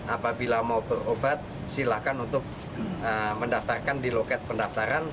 apabila mau berobat silahkan untuk mendaftarkan di loket pendaftaran